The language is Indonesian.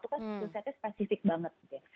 itu kan susahnya spesifik banget gitu ya